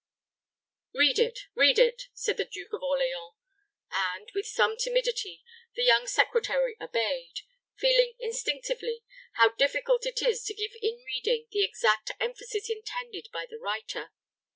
"Read it, read it," said the Duke of Orleans; and, with some timidity, the young secretary obeyed, feeling instinctively how difficult it is to give in reading the exact emphasis intended by the writer.